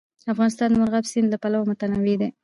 افغانستان د مورغاب سیند له پلوه متنوع دی.